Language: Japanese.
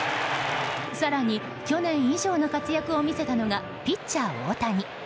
更に去年以上の活躍を見せたのがピッチャー大谷。